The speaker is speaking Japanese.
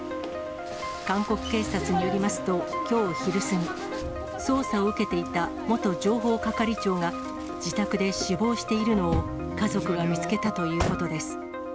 韓国警察によりますと、きょう昼過ぎ、捜査を受けていた元情報係長が、自宅で死亡しているのを、家族が見つけたということです。